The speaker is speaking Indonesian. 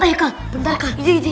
eh kak bentar kak